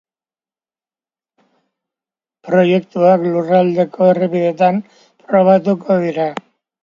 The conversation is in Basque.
Proiektuak lurraldeko errepideetan probatuko dira.